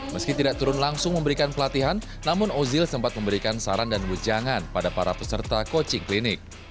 meski tidak turun langsung memberikan pelatihan namun ozil sempat memberikan saran dan ujangan pada para peserta coaching klinik